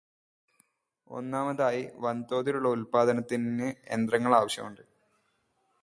ഒന്നാമതായി വൻ തോതിലുള്ള ഉല്പാദനത്തിന് യന്ത്രങ്ങൾ ആവശ്യമുണ്ട്.